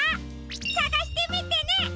さがしてみてね！